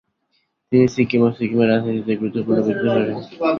তিনি সিকিম ও সিকিমের রাজনীতিতে গুরুত্বপূর্ণ ব্যক্তিত্ব হয়ে ওঠেন।